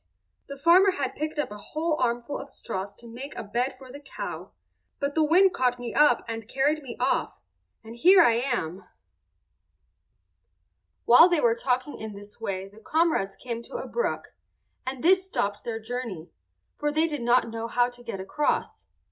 The farmer had picked up a whole armful of straws to make a bed for the cow; but the wind caught me up and carried me off—and here I am." While they were talking in this way the comrades came to a brook, and this stopped their journey, for they did not know how to get across.